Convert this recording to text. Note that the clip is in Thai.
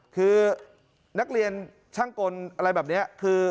คือนักเรียนการช่างกนการร้ายหวัดได้